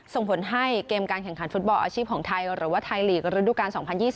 ส่งผลให้เกมการแข่งขันฟุตบอลอาชีพของไทยหรือว่าไทยลีกระดูกาล๒๐๒๐